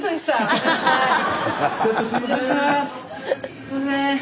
すいません。